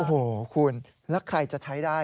โอ้โหคุณแล้วใครจะใช้ได้